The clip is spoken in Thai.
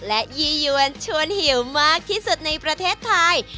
และยี่ยวนชวนหิวมากที่สุดในประเทศไทย